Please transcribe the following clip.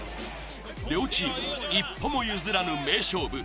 両チーム一歩も譲らぬ名勝負。